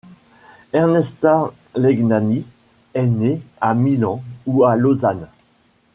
Ernesta Legnani est née à Milan ou à Losanne.